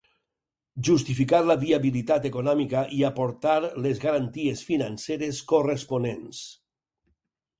Justificar la viabilitat econòmica i aportar les garanties financeres corresponents.